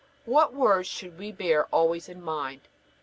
What words should we bear always in mind?